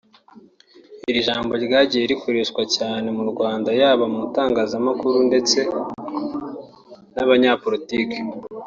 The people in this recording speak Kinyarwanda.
Iri ijambo ryagiye rikoreshwa cyane mu Rwanda yaba mu itangazamakuru ndetse n’abanyapolitike